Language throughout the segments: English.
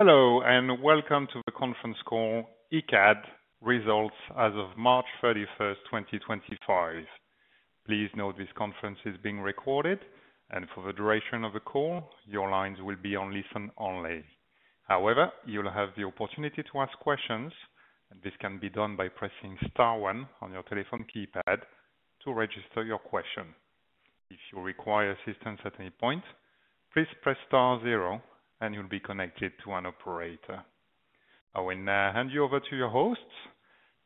Hello, and welcome to the conference call Icade Results as of March 31, 2025. Please note this conference is being recorded, and for the duration of the call, your lines will be on listen only. However, you'll have the opportunity to ask questions, and this can be done by pressing Star 1 on your telephone keypad to register your question. If you require assistance at any point, please press Star 0, and you'll be connected to an operator. I will now hand you over to your hosts,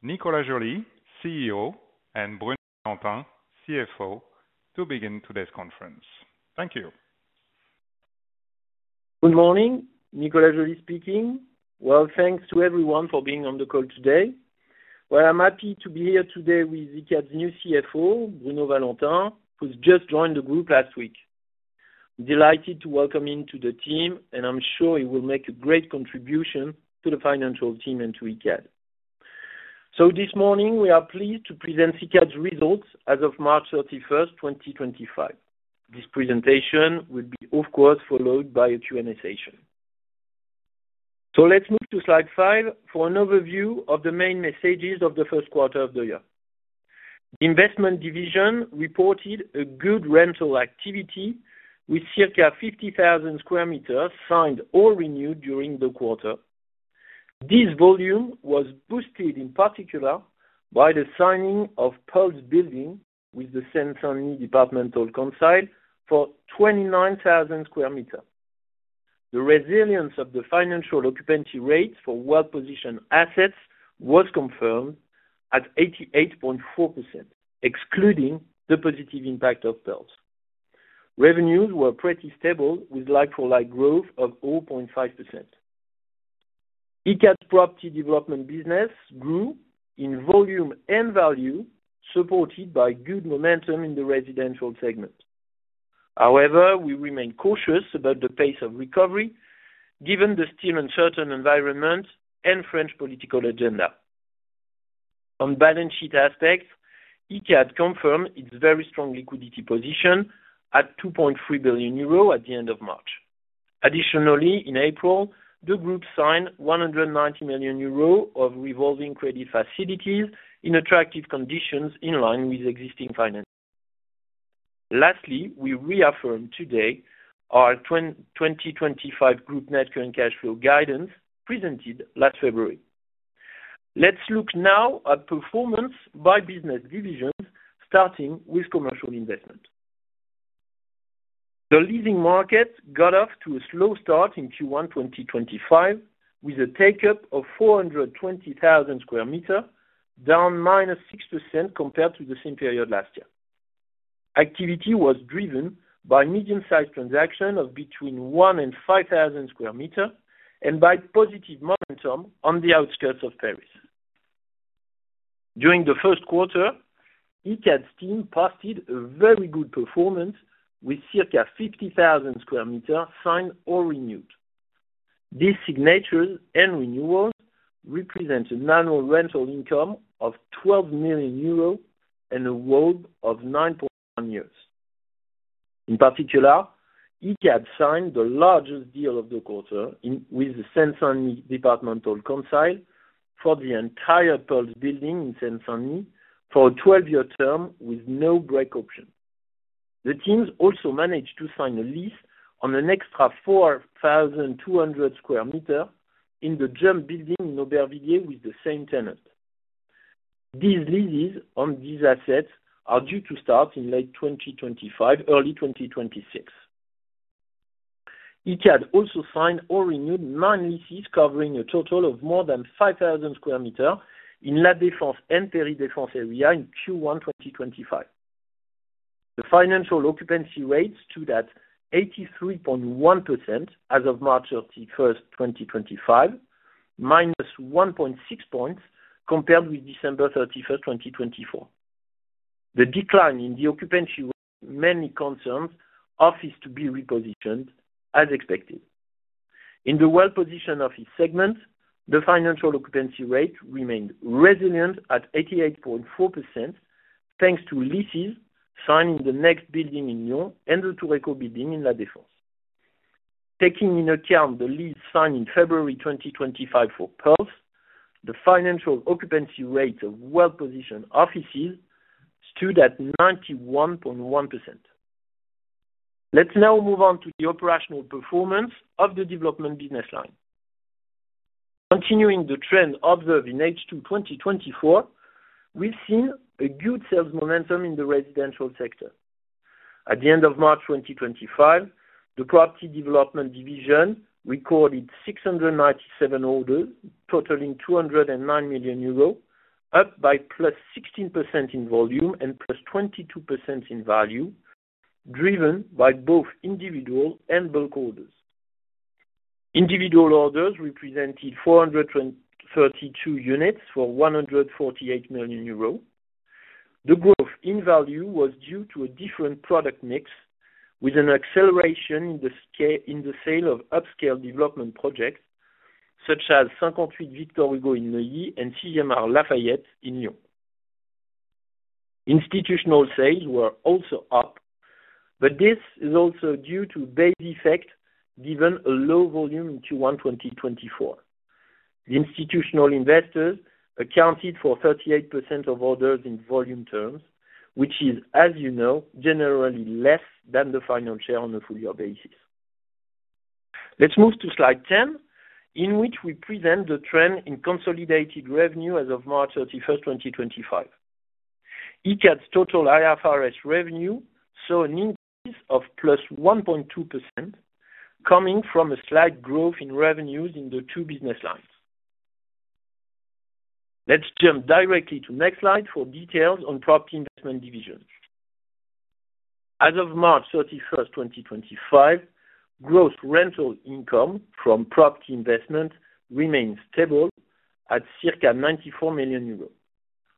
Nicolas Joly, CEO, and Bruno Valentin, CFO, to begin today's conference. Thank you. Good morning, Nicolas Joly speaking. Thanks to everyone for being on the call today. I'm happy to be here today with Icade's new CFO, Bruno Valentin, who's just joined the group last week. Delighted to welcome him to the team, and I'm sure he will make a great contribution to the financial team and to Icade. This morning, we are pleased to present Icade's results as of March 31, 2025. This presentation will be, of course, followed by a Q&A session. Let's move to slide five for an overview of the main messages of the first quarter of the year. The Investment Division reported a good rental activity with circa 50,000 sq m signed or renewed during the quarter. This volume was boosted in particular by the signing of Pulse Building with the Seine-Saint-Denis Departmental Council for 29,000 sq m. The resilience of the financial occupancy rates for well-positioned assets was confirmed at 88.4%, excluding the positive impact of Pulse. Revenues were pretty stable with like-for-like growth of 0.5%. Icade's property development business grew in volume and value, supported by good momentum in the residential segment. However, we remain cautious about the pace of recovery given the still uncertain environment and French political agenda. On balance sheet aspects, Icade confirmed its very strong liquidity position at 2.3 billion euro at the end of March. Additionally, in April, the group signed 190 million euro of revolving credit facilities in attractive conditions in line with existing finances. Lastly, we reaffirm today our 2025 group net current cash flow guidance presented last February. Let's look now at performance by business divisions, starting with commercial investment. The leading markets got off to a slow start in Q1 2025 with a take-up of 420,000 sq m, down -6% compared to the same period last year. Activity was driven by medium-sized transactions of between 1,000 and 5,000 sq m and by positive momentum on the outskirts of Paris. During the first quarter, Icade's team posted a very good performance with circa 50,000 sq m signed or renewed. These signatures and renewals represent a annual rental income of 12 million euros and a WALB of 9.1 years. In particular, Icade signed the largest deal of the quarter with the Seine-Saint-Denis Departmental Council for the entire Pulse Building in Seine-Saint-Denis for a 12-year term with no break option. The teams also managed to sign a lease on an extra 4,200 sq m in the JEM Building in Aubervilliers with the same tenant. These leases on these assets are due to start in late 2025, early 2026. Icade also signed or renewed nine leases covering a total of more than 5,000 sq m in La Défense and Péri-Défense area in Q1 2025. The financial occupancy rates stood at 83.1% as of March 31, 2025, minus 1.6 percentage points compared with December 31, 2024. The decline in the occupancy rate mainly concerns offices to be repositioned, as expected. In the well-positioned office segment, the financial occupancy rate remained resilient at 88.4% thanks to leases signed in the Next Building in Lyon and the Tour Eqho Building in La Défense. Taking into account the lease signed in February 2025 for Pulse, the financial occupancy rates of well-positioned offices stood at 91.1%. Let's now move on to the operational performance of the development business line. Continuing the trend observed in H2 2024, we've seen a good sales momentum in the residential sector. At the end of March 2025, the Property Development Division recorded 697 orders totaling 209 million euro, up by plus 16% in volume and plus 22% in value, driven by both individual and bulk orders. Individual orders represented 432 units for 148 million euro. The growth in value was due to a different product mix, with an acceleration in the sale of upscale development projects such as 58 Victor Hugo in Neuilly and Le Sixième in Lyon. Institutional sales were also up, but this is also due to base effects given a low volume in Q1 2024. The institutional investors accounted for 38% of orders in volume terms, which is, as you know, generally less than the financial on a full-year basis. Let's move to slide 10, in which we present the trend in consolidated revenue as of March 31, 2025. Icade's total IFRS revenue saw an increase of +1.2%, coming from a slight growth in revenues in the two business lines. Let's jump directly to the next slide for details on Property Investment Division. As of March 31, 2025, gross rental income from property investment remained stable at circa 94 million euros.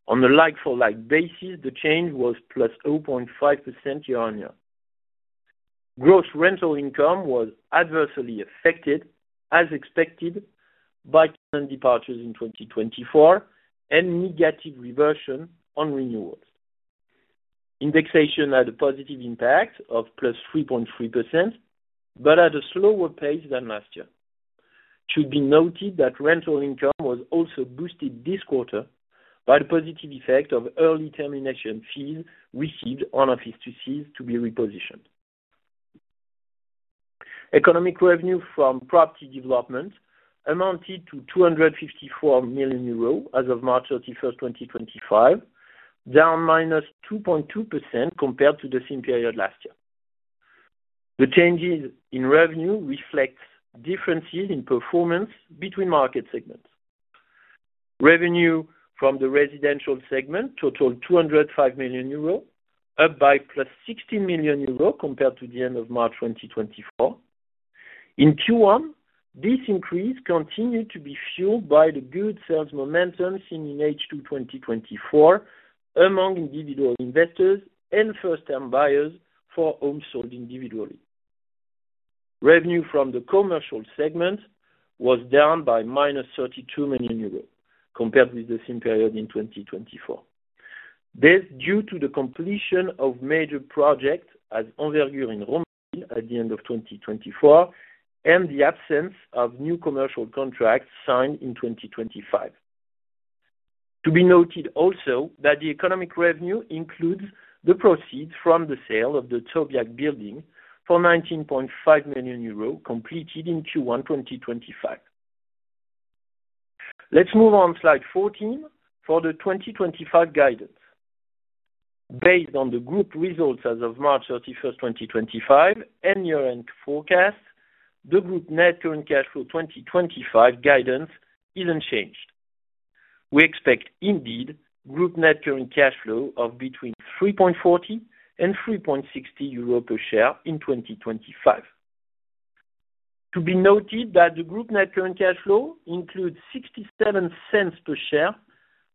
On a like-for-like basis, the change was +0.5% year-on-year. Gross rental income was adversely affected, as expected, by tenant departures in 2024 and negative reversion on renewals. Indexation had a positive impact of +3.3%, but at a slower pace than last year. It should be noted that rental income was also boosted this quarter by the positive effect of early termination fees received on offices to be repositioned. Economic revenue from property development amounted to 254 million euros as of March 31, 2025, down -2.2% compared to the same period last year. The changes in revenue reflect differences in performance between market segments. Revenue from the residential segment totaled 205 million euro, up by +16 million euro compared to the end of March 2024. In Q1, this increase continued to be fueled by the good sales momentum seen in H2 2024 among individual investors and first-time buyers for homes sold individually. Revenue from the commercial segment was down by -32 million euros compared with the same period in 2024, this due to the completion of major projects as Envergure in Rome at the end of 2024 and the absence of new commercial contracts signed in 2025. To be noted also that the economic revenue includes the proceeds from the sale of the Tolbiac Building for 19.5 million euros completed in Q1 2025. Let's move on to slide 14 for the 2025 guidance. Based on the group results as of March 31, 2025, and year-end forecast, the group net current cash flow 2025 guidance isn't changed. We expect, indeed, group net current cash flow of between 3.40 and 3.60 euro per share in 2025. To be noted that the group net current cash flow includes 0.67 per share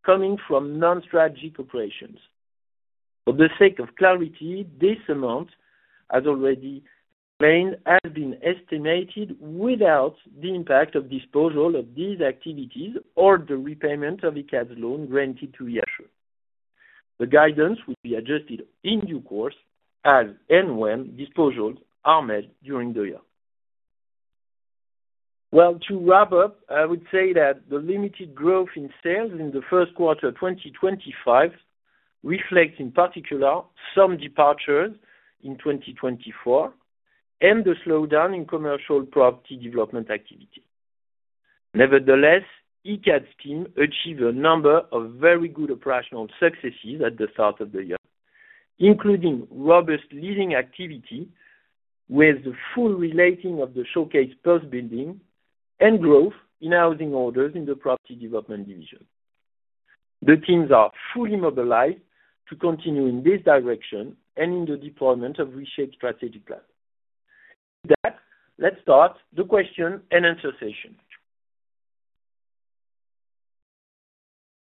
coming from non-strategic operations. For the sake of clarity, this amount, as already explained, has been estimated without the impact of disposal of these activities or the repayment of Icade's loan granted to IHE. The guidance will be adjusted in due course as and when disposals are made during the year. To wrap up, I would say that the limited growth in sales in the first quarter of 2025 reflects, in particular, some departures in 2024 and the slowdown in commercial property development activity. Nevertheless, Icade's team achieved a number of very good operational successes at the start of the year, including robust leasing activity with the full reletting of the showcase Pulse Building and growth in housing orders in the Property Development Division. The teams are fully mobilized to continue in this direction and in the deployment of reshaped strategic plans. With that, let's start the question and answer session.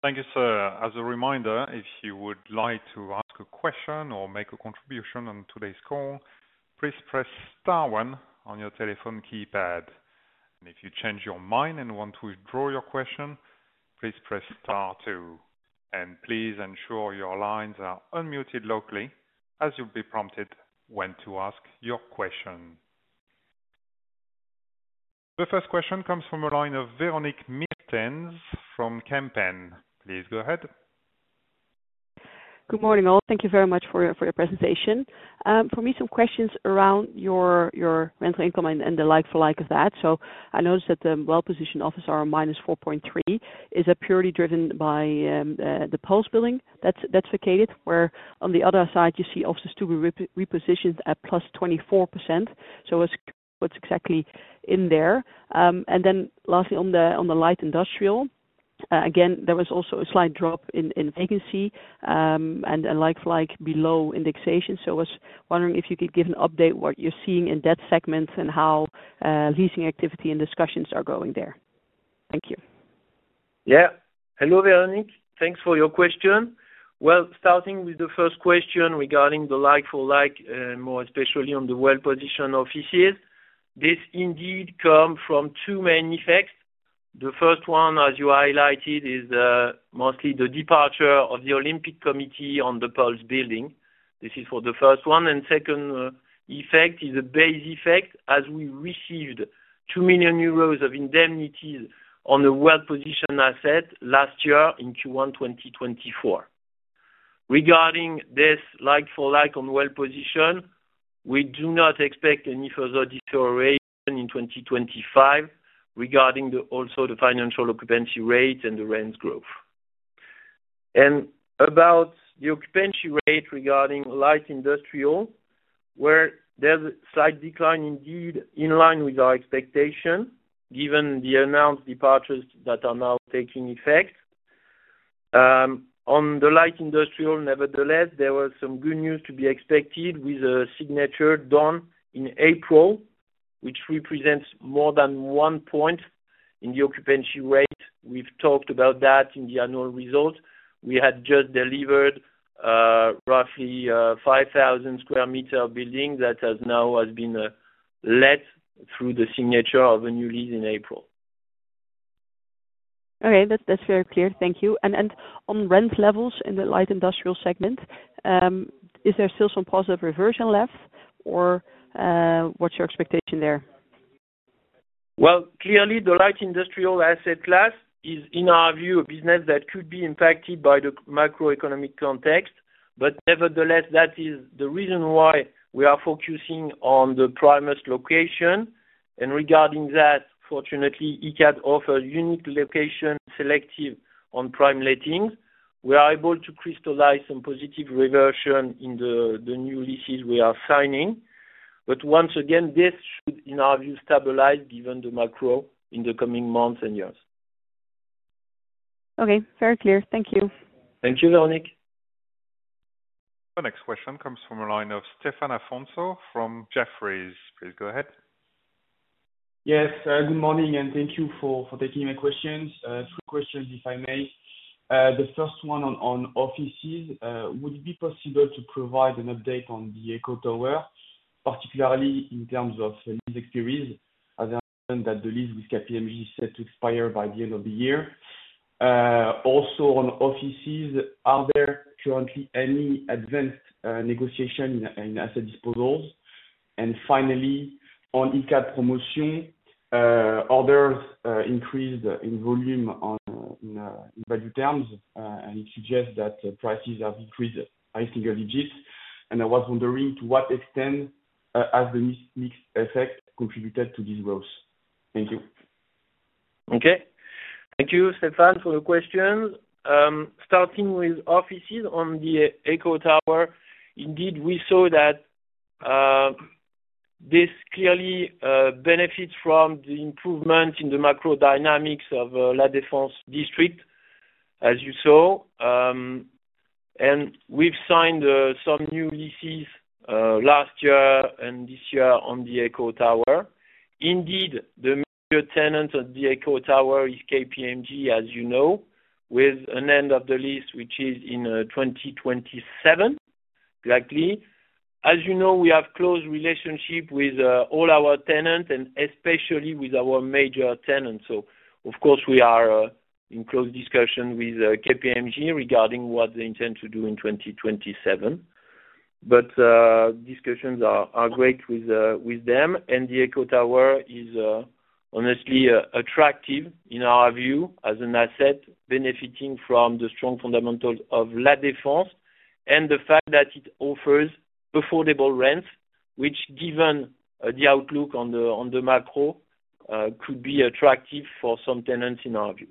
Thank you, sir. As a reminder, if you would like to ask a question or make a contribution on today's call, please press Star 1 on your telephone keypad. If you change your mind and want to withdraw your question, please press Star 2. Please ensure your lines are unmuted locally as you'll be prompted when to ask your question. The first question comes from a line of Véronique Meertens from Kempen. Please go ahead. Good morning, all. Thank you very much for your presentation. For me, some questions around your rental income and the like-for-like of that. I noticed that the well-positioned offices are minus 4.3%. Is that purely driven by the Pulse Building that's vacated, where on the other side, you see offices to be repositioned at plus 24%? I was curious what's exactly in there. Lastly, on the light industrial, again, there was also a slight drop in vacancy and like-for-like below indexation. I was wondering if you could give an update on what you're seeing in that segment and how leasing activity and discussions are going there. Thank you. Yeah. Hello, Véronique. Thanks for your question. Starting with the first question regarding the like-for-like, more especially on the well-positioned offices, this indeed comes from two main effects. The first one, as you highlighted, is mostly the departure of the Olympic Committee on the Pulse Building. This is for the first one. The second effect is a base effect as we received 2 million euros of indemnities on a well-positioned asset last year in Q1 2024. Regarding this like-for-like on well-positioned, we do not expect any further deterioration in 2025 regarding also the financial occupancy rates and the rents growth. About the occupancy rate regarding light industrial, where there's a slight decline indeed in line with our expectation given the announced departures that are now taking effect. On the light industrial, nevertheless, there was some good news to be expected with a signature done in April, which represents more than one point in the occupancy rate. We have talked about that in the annual results. We had just delivered roughly 5,000 sq m buildings that have now been let through the signature of a new lease in April. Okay. That's very clear. Thank you. On rent levels in the light industrial segment, is there still some positive reversion left, or what's your expectation there? Clearly, the light industrial asset class is, in our view, a business that could be impacted by the macroeconomic context. Nevertheless, that is the reason why we are focusing on the prime location. Regarding that, fortunately, Icade offers unique location selective on prime lettings. We are able to crystallize some positive reversion in the new leases we are signing. Once again, this should, in our view, stabilize given the macro in the coming months and years. Okay. Very clear. Thank you. Thank you, Véronique. The next question comes from a line of Stéphane Afonso from Jefferies. Please go ahead. Yes. Good morning, and thank you for taking my questions. Three questions, if I may. The first one on offices. Would it be possible to provide an update on the Eqho Tower, particularly in terms of lease expiry, as I mentioned that the lease with KPMG is set to expire by the end of the year? Also, on offices, are there currently any advanced negotiations in asset disposals? Finally, on Icade Promotion, are there increases in volume in value terms? It suggests that prices have increased by single digits. I was wondering to what extent has the mix effect contributed to these growths? Thank you. Okay. Thank you, Stephan, for your questions. Starting with offices on the Eqho Tower, indeed, we saw that this clearly benefits from the improvement in the macro dynamics of La Défense district, as you saw. We have signed some new leases last year and this year on the Eqho Tower. Indeed, the major tenant of the Eqho Tower is KPMG, as you know, with an end of the lease, which is in 2027, likely. As you know, we have a close relationship with all our tenants, and especially with our major tenants. Of course, we are in close discussion with KPMG regarding what they intend to do in 2027. Discussions are great with them. The Eqho Tower is honestly attractive, in our view, as an asset benefiting from the strong fundamentals of La Défense and the fact that it offers affordable rents, which, given the outlook on the macro, could be attractive for some tenants, in our view.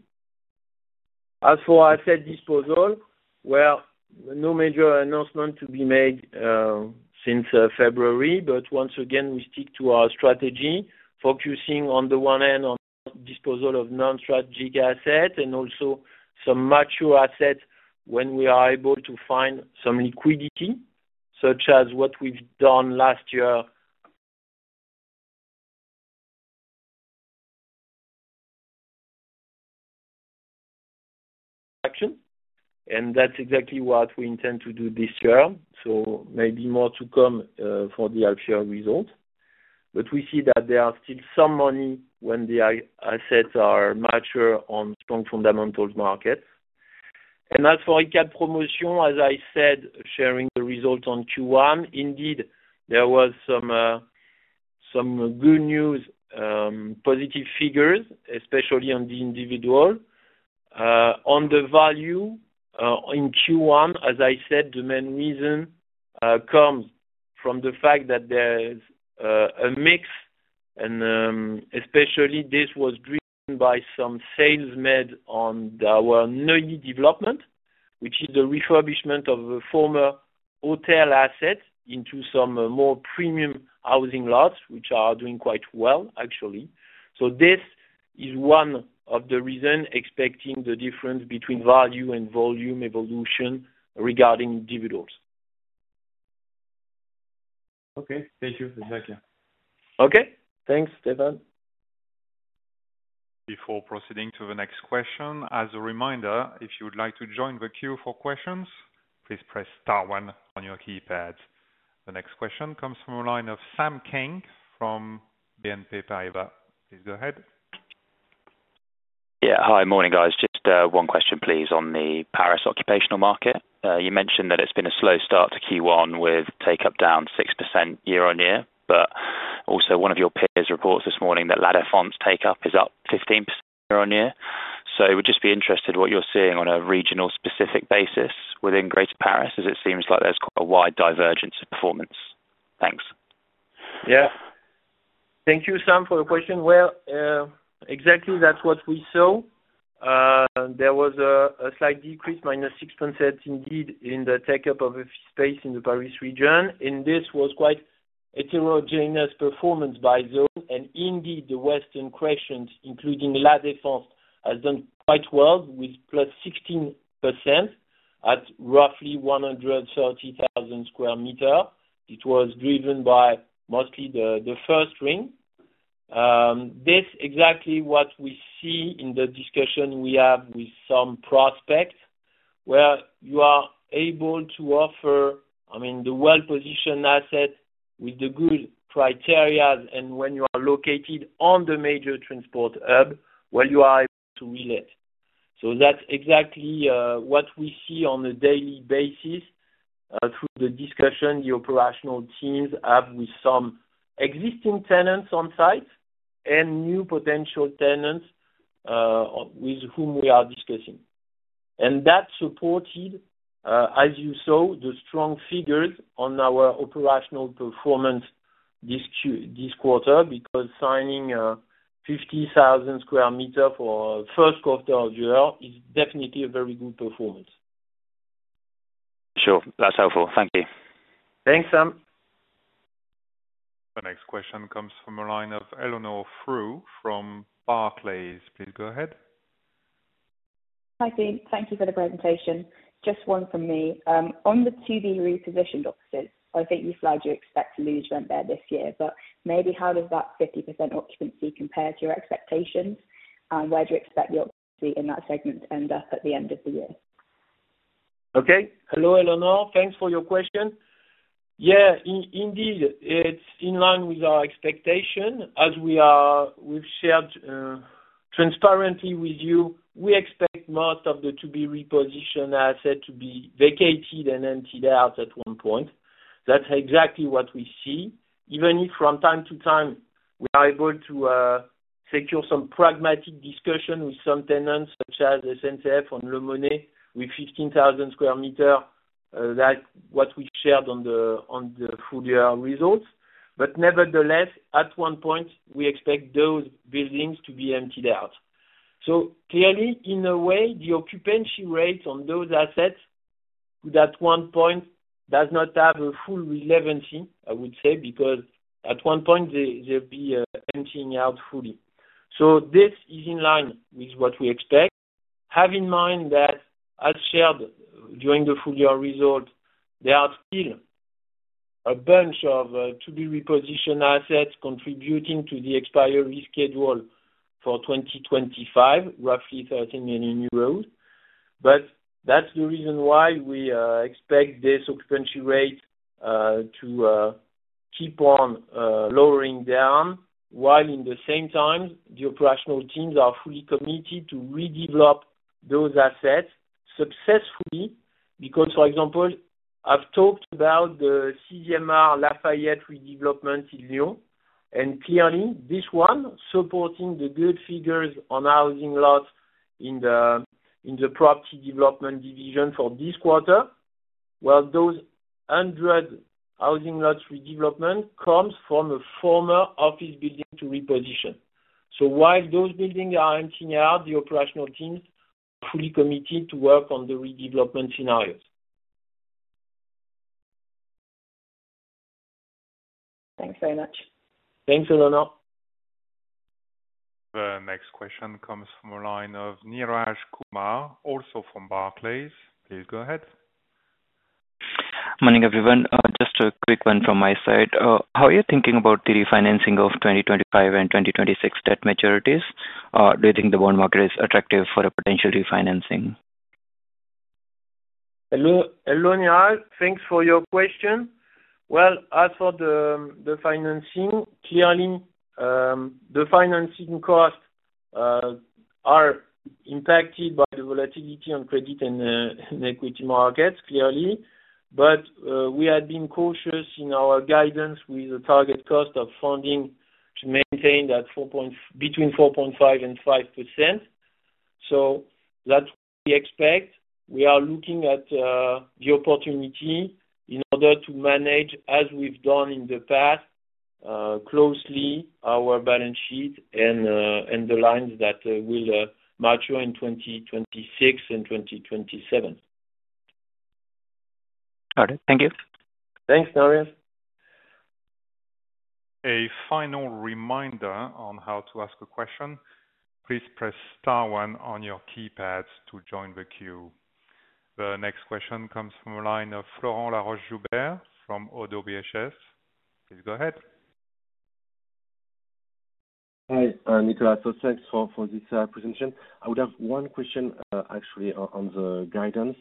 As for asset disposal, no major announcement to be made since February. Once again, we stick to our strategy, focusing on the one hand on disposal of non-strategic assets and also some mature assets when we are able to find some liquidity, such as what we've done last year. That is exactly what we intend to do this year. Maybe more to come for the actual result. We see that there is still some money when the assets are mature on strong fundamentals markets. As for Icade Promotion, as I said, sharing the result on Q1, indeed, there was some good news, positive figures, especially on the individual. On the value in Q1, as I said, the main reason comes from the fact that there's a mix, and especially this was driven by some sales made on our newly development, which is the refurbishment of a former hotel asset into some more premium housing lots, which are doing quite well, actually. This is one of the reasons expecting the difference between value and volume evolution regarding individuals. Okay. Thank you. Exactly. Okay. Thanks, Stephan. Before proceeding to the next question, as a reminder, if you would like to join the queue for questions, please press Star 1 on your keypad. The next question comes from a line of Sam King from BNP Paribas. Please go ahead. Yeah. Hi, morning, guys. Just one question, please, on the Paris occupational market. You mentioned that it's been a slow start to Q1 with take-up down 6% year-on-year, but also one of your peers reports this morning that La Défense take-up is up 15% year-on-year. We'd just be interested in what you're seeing on a regional-specific basis within Greater Paris, as it seems like there's quite a wide divergence in performance. Thanks. Thank you, Sam, for your question. Exactly, that's what we saw. There was a slight decrease, minus 6%, in the take-up of space in the Paris region. This was quite heterogeneous performance by zone. Indeed, the Western creations, including La Défense, have done quite well with plus 16% at roughly 130,000 sq m. It was driven by mostly the first ring. This is exactly what we see in the discussion we have with some prospects, where you are able to offer, I mean, the well-positioned asset with the good criteria and when you are located on the major transport hub, where you are able to relate. That's exactly what we see on a daily basis through the discussion the operational teams have with some existing tenants on site and new potential tenants with whom we are discussing. That supported, as you saw, the strong figures on our operational performance this quarter because signing 50,000 sq m for the first quarter of the year is definitely a very good performance. Sure. That's helpful. Thank you. Thanks, Sam. The next question comes from a line of Eleanor Wu from Barclays. Please go ahead. Thank you for the presentation. Just one from me. On the to-be repositioned offices, I think you flagged you expect to lose rent there this year, but maybe how does that 50% occupancy compare to your expectations? Where do you expect the occupancy in that segment to end up at the end of the year? Okay. Hello, Eleanor. Thanks for your question. Yeah. Indeed, it's in line with our expectation. As we've shared transparently with you, we expect most of the to-be repositioned assets to be vacated and emptied out at one point. That's exactly what we see. Even if from time to time, we are able to secure some pragmatic discussion with some tenants, such as SNCF on Le Monet with 15,000 sq m, that's what we shared on the full year results. Nevertheless, at one point, we expect those buildings to be emptied out. Clearly, in a way, the occupancy rates on those assets at one point do not have a full relevancy, I would say, because at one point, they'll be emptying out fully. This is in line with what we expect. Have in mind that, as shared during the full year result, there are still a bunch of to-be repositioned assets contributing to the expiry schedule for 2025, roughly 13 million euros. That is the reason why we expect this occupancy rate to keep on lowering down, while at the same time, the operational teams are fully committed to redevelop those assets successfully because, for example, I have talked about the CMA Lafayette redevelopment in Lyon. Clearly, this one is supporting the good figures on housing lots in the Property Development Division for this quarter, while those 100 housing lots redevelopment comes from a former office building to reposition. While those buildings are emptying out, the operational teams are fully committed to work on the redevelopment scenarios. Thanks very much. Thanks, Eleanor. The next question comes from a line of Neeraj Kumar, also from Barclays. Please go ahead. Morning, everyone. Just a quick one from my side. How are you thinking about the refinancing of 2025 and 2026 debt maturities? Do you think the bond market is attractive for a potential refinancing? Hello, Eleanor. Thanks for your question. As for the financing, clearly, the financing costs are impacted by the volatility on credit and equity markets, clearly. We have been cautious in our guidance with the target cost of funding to maintain that between 4.5%-5%. That is what we expect. We are looking at the opportunity in order to manage, as we've done in the past, closely our balance sheet and the lines that will mature in 2026 and 2027. Got it. Thank you. Thanks, Darius. A final reminder on how to ask a question. Please press Star 1 on your keypad to join the queue. The next question comes from the line of Florent Laroche-Joubert from ODDO BHF. Please go ahead. Hi, Nicolas. Thanks for this presentation. I would have one question, actually, on the guidance.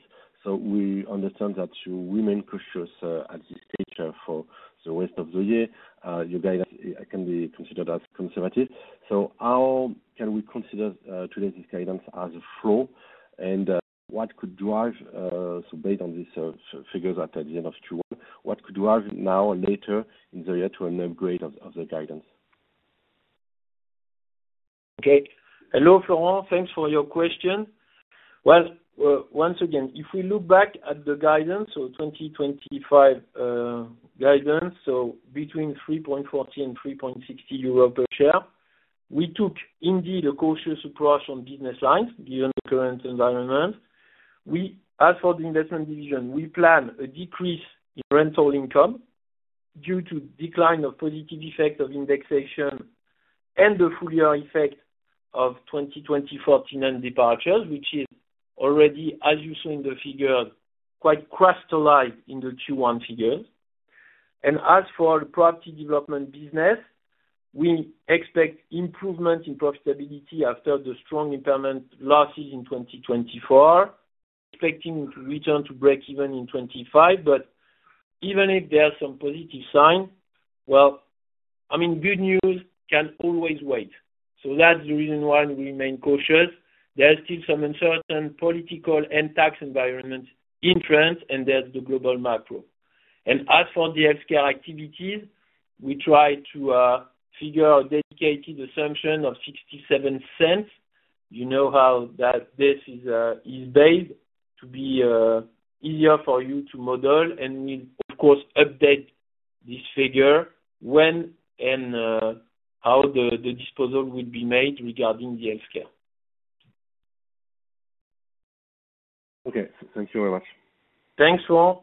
We understand that you remain cautious at this stage for the rest of the year. Your guidance can be considered as conservative. How can we consider today's guidance as a floor? What could drive, based on these figures at the end of Q1, an upgrade of the guidance now or later in the year? Okay. Hello, Florent. Thanks for your question. Once again, if we look back at the guidance, 2025 guidance, so between 3.40-3.60 euro per share, we took indeed a cautious approach on business lines given the current environment. As for the investment division, we plan a decrease in rental income due to the decline of positive effects of indexation and the full year effect of 2024 tenant departures, which is already, as you saw in the figures, quite crystallized in the Q1 figures. As for the property development business, we expect improvement in profitability after the strong impairment losses in 2024. We are expecting to return to break-even in 2025. Even if there are some positive signs, I mean, good news can always wait. That is the reason why we remain cautious. There's still some uncertain political and tax environment in France, and there's the global macro. As for the healthcare activities, we try to figure a dedicated assumption of 0.67. You know how this is based to be easier for you to model. We'll, of course, update this figure when and how the disposal will be made regarding the healthcare. Okay. Thank you very much. Thanks, Florent.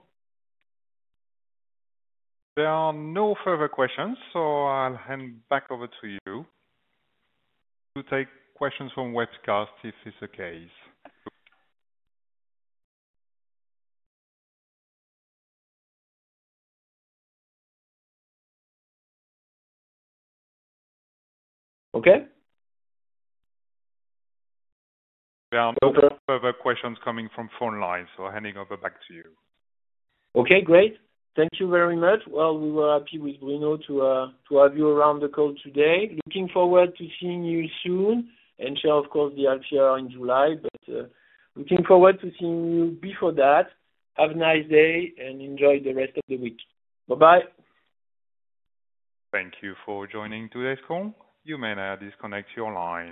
There are no further questions, so I'll hand back over to you to take questions from Kempen if it's the case. Okay. There are no further questions coming from phone lines, so handing over back to you. Okay. Great. Thank you very much. We were happy with Bruno to have you around the call today. Looking forward to seeing you soon and share, of course, the healthcare in July. Looking forward to seeing you before that. Have a nice day and enjoy the rest of the week. Bye-bye. Thank you for joining today's call. You may now disconnect your line.